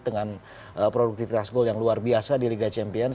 dengan produktivitas gol yang luar biasa di liga champions